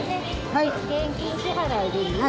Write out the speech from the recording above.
はい。